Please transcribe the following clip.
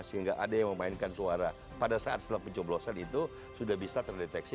sehingga ada yang memainkan suara pada saat setelah pencoblosan itu sudah bisa terdeteksi